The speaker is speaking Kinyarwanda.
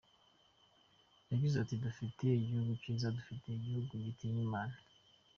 Yagize ati “Dufite igihugu kiza, dufite igihugu gitinya Imana.